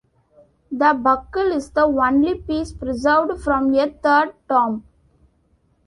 The buckle is the only piece preserved from a third tomb.